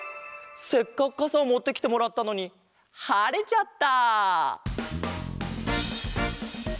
せっかくかさをもってきてもらったのにはれちゃった！